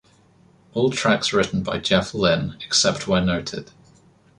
All tracks written by Jeff Lynne, except where noted.